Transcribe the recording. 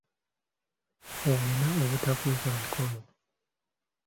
Olina obutakweka mikono.